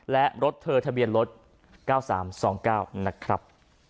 และรถเธอทะเบียนรถเก้าสามสองเก้านะครับ